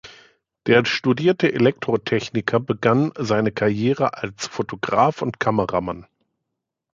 Der studierte Elektrotechniker begann seine Karriere als Fotograf und Kameramann.